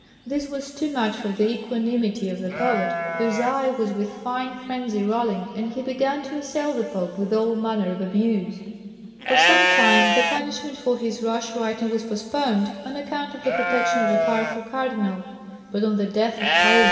This was too much for the equanimity of the poet, whose eye was with fine frenzy rolling, and he began to assail the Pope with all manner of abuse. For some time the punishment for his rash writing was postponed, on account of the protection of a powerful Cardinal; but on the death of Pius IV.